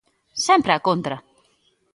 ¡Sempre á contra!